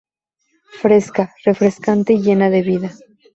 Fresca, refrescante y llena de vida.